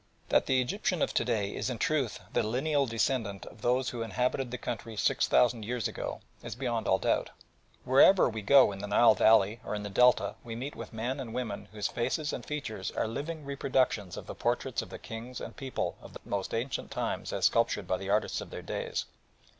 That the Egyptian of to day is in truth the lineal descendant of those who inhabited the country six thousand years ago is beyond all doubt. Wherever we go in the Nile valley or in the Delta we meet with men and women whose faces and features are living reproductions of the portraits of the kings and people of the most ancient times as sculptured by the artists of their days.